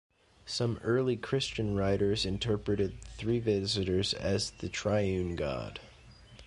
Some early Christian writers interpreted the three visitors as the triune God.